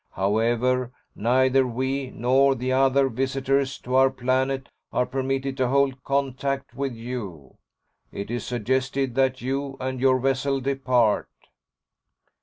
However, neither we nor the other visitors to our planet are permitted to hold contact with you. It is suggested that you and your vessel depart."